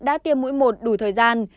đã tiêm mũi một đủ thời gian